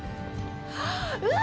うわ！